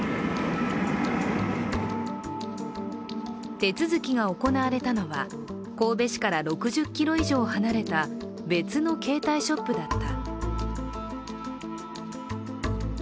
手続きが行われたのは神戸市から６０ｋｍ以上離れた、別の携帯ショップだった。